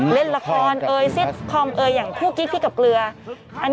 เล่นราคอตกกดคลิดคลีกกับเพลือน